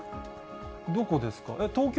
どこですか？